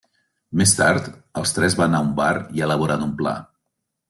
Més tard, els tres van a un bar i elaboren un pla.